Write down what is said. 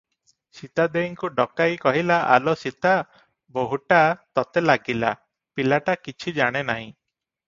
ସୀତା ଦେଈଙ୍କୁ ଡକାଇ କହିଲା, "ଆଲୋ ସୀତା, ବୋହୂଟା ତତେ ଲାଗିଲା, ପିଲାଟା କିଛି ଜାଣେ ନାହିଁ ।"